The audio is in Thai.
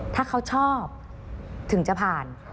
ถ้าเขาชอบถึงจะผ่าน